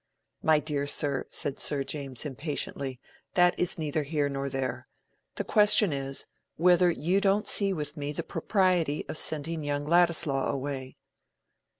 "My dear sir," said Sir James, impatiently, "that is neither here nor there. The question is, whether you don't see with me the propriety of sending young Ladislaw away?"